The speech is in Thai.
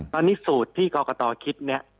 ตอนนี้สูตรที่กรกตคิดเนี่ย